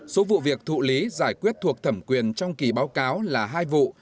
số vụ việc thụ lý giải quyết thuộc thẩm quyền trong kỳ báo cáo là hai vụ